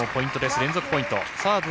連続ポイント。